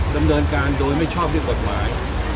สำเร็จการโดยไม่ชอบได้บทหมาย